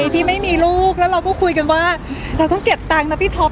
พี่ไม่มีลูกแล้วเราก็คุยกันว่าเราต้องเก็บตังค์นะพี่ท็อป